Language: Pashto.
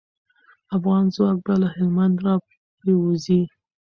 افغان ځواک به له هلمند راپوری وځي.